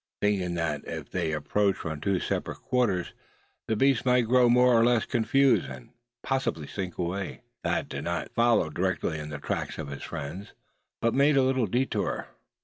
Thinking that if they approached from two separate quarters the beast might grow more or less confused, and possibly slink away, Thad did not follow directly in the track of his friend, but made a little detour.